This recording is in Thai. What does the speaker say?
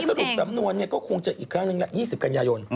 สรุปสำนวนก็คงจะอีกครั้งนึงยี่สิบกัญญาโยน